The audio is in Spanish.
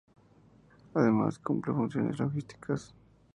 Además, cumple funciones logísticas.